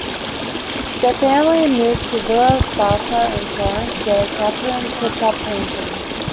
The family moved to Villa Sparta in Florence, where Katherine took up painting.